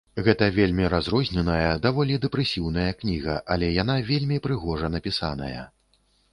Гэта вельмі разрозненая, даволі дэпрэсіўная кніга, але яна вельмі прыгожа напісаная.